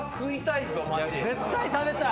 絶対食べたい。